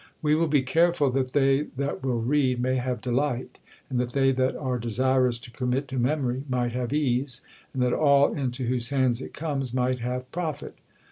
We will be careful that they that will read may have delight, and that they that are desirous to commit to memory might have ease, and that all into whose hands it comes might have profit."